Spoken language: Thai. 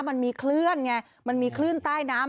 มันมีคลื่นไงมันมีคลื่นใต้น้ำ